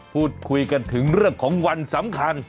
พูดคุยกันถึงเรื่องของวันสำคัญ